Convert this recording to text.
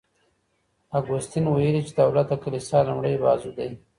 اګوستین ویلي چي دولت د کلیسا لومړی بازو دی.